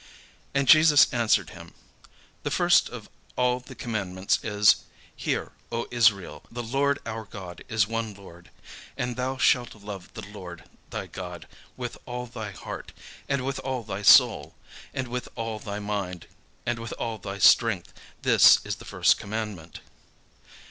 And Jesus answered him, "The first of all the commandments is, 'Hear, O Israel; The Lord our God is one Lord:' and 'thou shalt love the Lord thy God with all thy heart, and with all thy soul, and with all thy mind, and with all thy strength:' this is the first commandment.